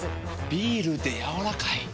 ビールでやわらかい。